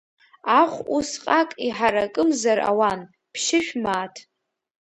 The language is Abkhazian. Ахә усҟак иҳаракымзар ауан, ԥшьышә мааҭ?!